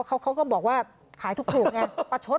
เขาก็บอกว่าขายถูกไง